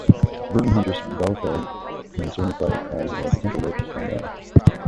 A virgin huntress, Belphoebe can certainly fight, as a potential rapist found out.